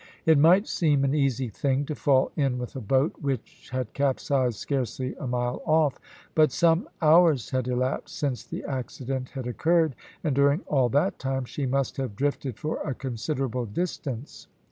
It might seem an easy thing to fall in with a boat which had capsized scarcely a mile off; but some hours had elapsed since the accident had occurred, and during all that time she must have drifted for a considerable distance.